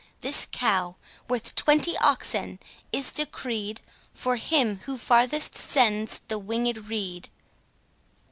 This cow, worth twenty oxen, is decreed, For him who farthest sends the winged reed."